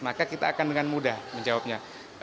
maka kita akan dengan mudah menjawabnya